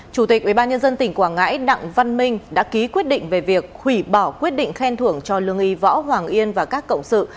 chủ tịch ubnd tỉnh quảng ngãi đặng văn minh đã ký quyết định về việc hủy bỏ quyết định khen thưởng cho lương y võ hoàng yên và các cộng sự